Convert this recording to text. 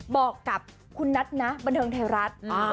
บอกกับคุณนัทนะบันเทิงไทยรัฐ